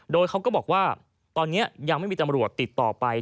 โดยเขาก็บอกว่าตอนนี้ยังไม่มีตำรวจติดต่อไป